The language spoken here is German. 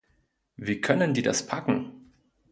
Wie können die das packen?